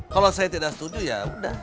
kalau saya tidak setuju ya udah